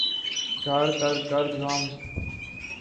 جھاڑ کر گرد غم